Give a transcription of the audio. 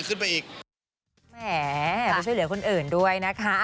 แหมไปช่วยเหลือคนอื่นด้วยนะคะ